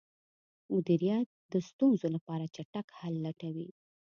مدیریت د ستونزو لپاره چټک حل لټوي.